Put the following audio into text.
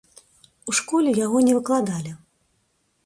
У школе яго не выкладалі.